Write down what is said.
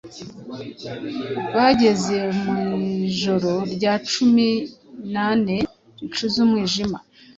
Bageze mu ijoro rya cumi n’ane ricuze umwijima